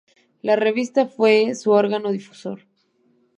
La revista fue su órgano difusor.